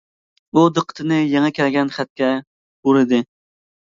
ئۇ دىققىتىنى يېڭى كەلگەن خەتكە بۇرىدى.